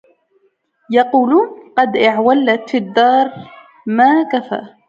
يقولون قد أعولت في الدار ما كفى